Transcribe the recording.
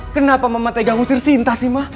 kenapa mama tegangusin sinta sih ma